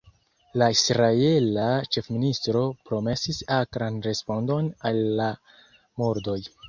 La israela ĉefministro promesis akran respondon al la murdoj.